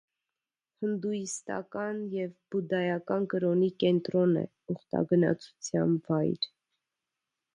Հնդուիստական և բուդդայական կրոնի կենտրոն է, ուխտագնացության վայր։